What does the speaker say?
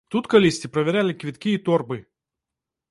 Тут калісьці правяралі квіткі і торбы!